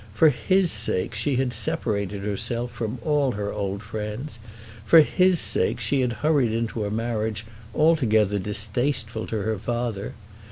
For his sake she had separated herself from all her old friends. For his sake she had hurried into a marriage altogether distasteful to her father.